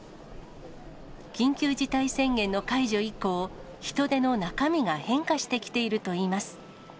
緊急事態宣言の解除以降、人出の中身が変化してきているといいます。